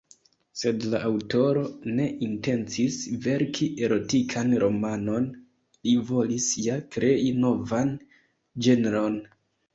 Sed la aŭtoro ne intencis verki erotikan romanon, li volis ja krei novan ĝenron.